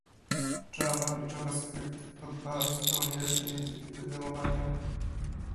Java i JavaScript to dwa zupełnie różne języki programowania.